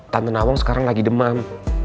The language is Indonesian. tante nawang sekarang lagi demam